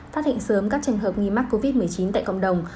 phát hiện sớm các trường hợp nghi mắc covid một mươi chín tại cộng đồng